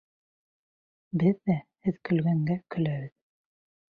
Беҙ ҙә һеҙ көлгәнгә көләбеҙ...